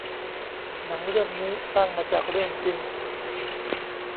หนังเรื่องนี้สร้างมาจากเรื่องจริง